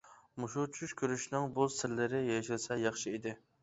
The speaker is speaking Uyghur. مۇشۇ چۈش كۆرۈشنىڭ بۇ سىرلىرى يېشىلسە ياخشى ئىدى.